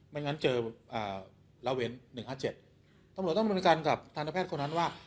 ไม่งั้นเจออ่าลาเว้นหนึ่งห้าเจ็ดตำรวจต้องดำเนินการกับทางทันแพทย์คนนั้นว่า